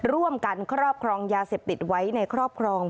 ร่วมกันครอบครองยาเสพติดไว้ในครอบครอง